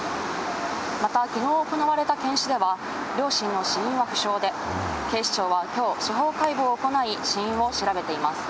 また、きのう行われた検視では、両親の死因は不詳で、警視庁はきょう、司法解剖を行い、死因を調べています。